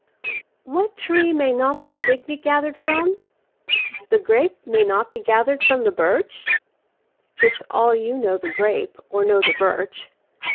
WHAT tree may not the fig be gathered from? The grape may not be gathered from the birch? It's all you know the grape, or know the birch.